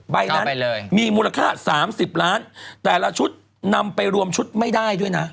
ใบนั้นมีมูลค่า๓๐ล้านแต่ละชุดนำไปรวมชุดไม่ได้ด้วยนะ